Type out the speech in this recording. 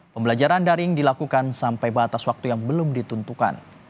pembelajaran daring dilakukan sampai batas waktu yang belum ditentukan